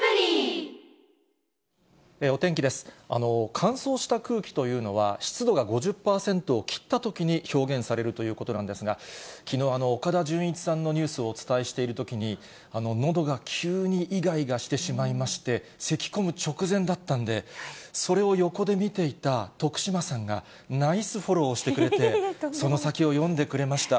乾燥した空気というのは、湿度が５０％を切ったときに表現されるということなんですが、きのう、岡田准一さんのニュースをお伝えしているときに、のどが急にいがいがしてしまいまして、せきこむ直前だったんで、それを横で見ていた徳島さんが、ナイスフォローしてくれて、その先を読んでくれました。